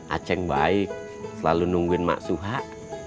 aceng baik selalu nungguin masuhah